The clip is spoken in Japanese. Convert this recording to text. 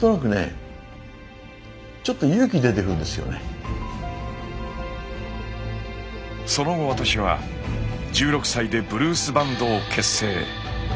聴きながらその後私は１６歳でブルースバンドを結成。